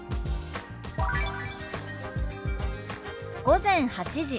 「午前８時」。